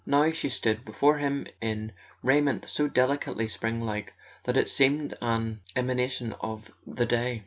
Now she stood before him in raiment so delicately springlike that it seemed an emanation of the day.